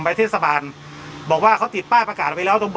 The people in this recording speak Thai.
ไปเทศสาบาลบอกว่าเขาติดป้าประกาศไปแล้วตรงบ่อ